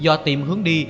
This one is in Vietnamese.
do tiệm hướng đi